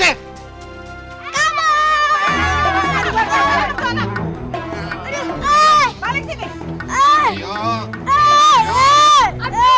hai balik sini